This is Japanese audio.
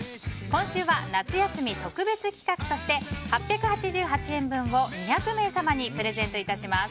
今週は夏休み特別企画として８８８円分を２００名様にプレゼントいたします。